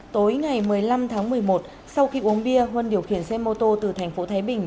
tối ngày một mươi năm tháng một mươi một sau khi uống bia huân điều khiển xe mô tô từ thành phố thái bình